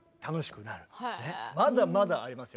まだまだありますよ。